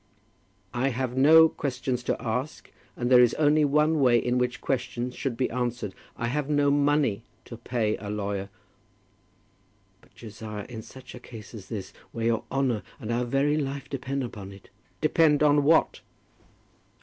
"I have no questions to ask, and there is only one way in which questions should be answered. I have no money to pay a lawyer." "But, Josiah, in such a case as this, where your honour, and our very life depend upon it " "Depend on what?"